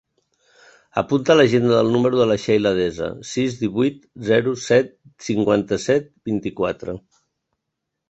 Apunta a l'agenda el número de la Sheila Deza: sis, divuit, zero, set, cinquanta-set, vint-i-quatre.